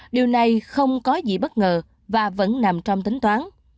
điều này không có gì bất ngờ và vẫn nằm trong tính toán